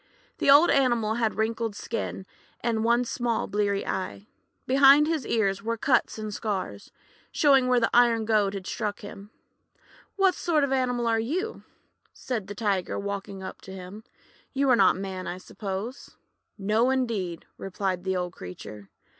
The old animal had a wrinkled skin, and one small bleary eye. Behind his ears were cuts and scars, showing where the iron goad had struck him. "What sort of an animal are you?' said the young Tiger, walking up to him. "You are not Man, I suppose?". 186 THE WONDER GARDEN "No, indeed," replied the old creature.